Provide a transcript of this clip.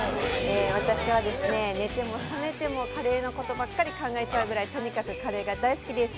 私は寝ても覚めてもカレーのことばっかり考えちゃうぐらいとにかくカレーが大好きです。